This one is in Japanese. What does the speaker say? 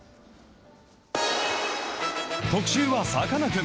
特集はさかなクン。